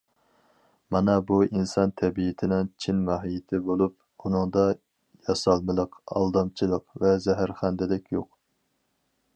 مانا بۇ ئىنسان تەبىئىتىنىڭ چىن ماھىيىتى بولۇپ، ئۇنىڭدا ياسالمىلىق، ئالدامچىلىق ۋە زەھەرخەندىلىك يوق.